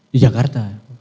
di jakarta ya